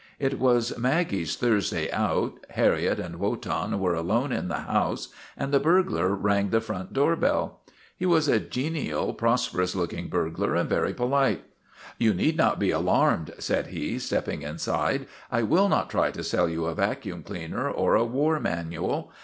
It was Maggie's Thursday out, Harriet and Wotan were alone in the house, and the burglar rang the front doorbell. He was a genial, prosperous look ing burglar, and very polite. " You need not be alarmed," said he, stepping in side. ' I shall not try to sell you a vacuum cleaner or a war manual.